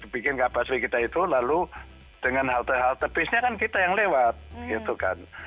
bikin kapasitas kita itu lalu dengan halte halte bisnya kan kita yang lewat gitu kan